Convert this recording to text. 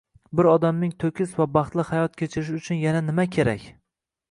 Bir odamning to`kis va baxtli hayot kechirishi uchun yana nima kerak